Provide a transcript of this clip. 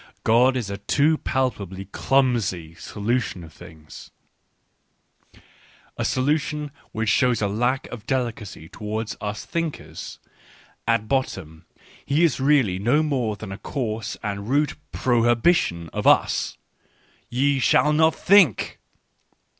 God is a too palpably clumsy solution of things ; a solution which shows a lack of delicacy towards us thinkers — at bottom He is really no more than a coarse and rude prohibition of us : ye shall not think